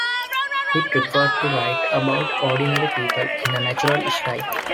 He preferred to write about ordinary people in a natural style.